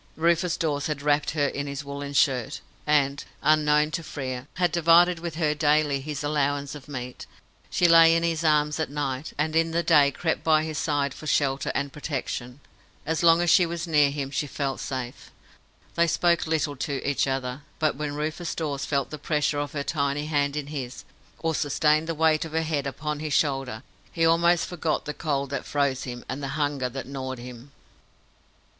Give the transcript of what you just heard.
Rufus Dawes had wrapped her in his woollen shirt, and, unknown to Frere, had divided with her daily his allowance of meat. She lay in his arms at night, and in the day crept by his side for shelter and protection. As long as she was near him she felt safe. They spoke little to each other, but when Rufus Dawes felt the pressure of her tiny hand in his, or sustained the weight of her head upon his shoulder, he almost forgot the cold that froze him, and the hunger that gnawed him.